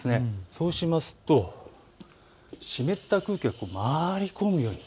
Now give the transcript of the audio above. そうしますと、湿った空気が回り込む。